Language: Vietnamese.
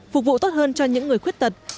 phục vụ tốt hơn cho những người khuyết tật